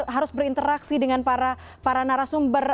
harus berinteraksi dengan para narasumber